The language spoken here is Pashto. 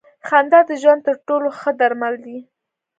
خندا د ژوند تر ټولو ښه درمل دی.